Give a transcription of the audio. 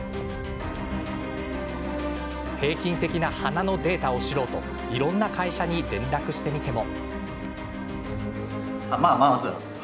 平均的な鼻のデータを知ろうといろんな会社に連絡してみても。